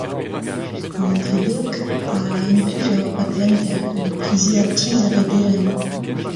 An tredeog a implij ur padventer evit priziañ tizh ar rederien.